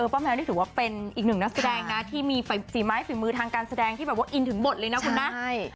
แมวนี่ถือว่าเป็นอีกหนึ่งนักแสดงนะที่มีฝีไม้ฝีมือทางการแสดงที่แบบว่าอินถึงบทเลยนะคุณนะ